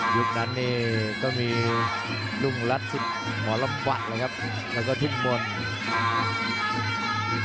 ยุคนั้นเนี่ยก็มีดุงรัฐสิทธิ์หมอรับวัตรเลยครับแล้วก็ทิศมนต์